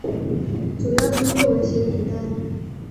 主要村落为斜古丹。